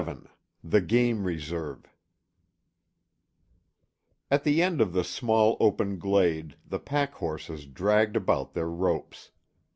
XI THE GAME RESERVE At the end of the small open glade the pack horses dragged about their ropes.